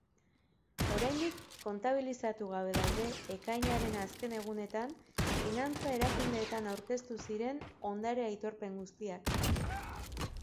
Oraindik kontabilizatu gabe daude ekainaren azken egunetan finantza-erakundeetan aurkeztu ziren ondare-aitorpen guztiak.